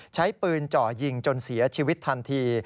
ใช้ปืนเจาะยิงจนเสียชีวิตทันที